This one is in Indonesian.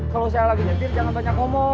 kalau saya lagi nyetir jangan banyak ngomong